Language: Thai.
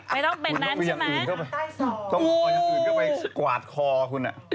ไม่ต้องเป็นนั้นต้องคออย่างอื่นเข้าไปกวาดคอคุณอ่ะ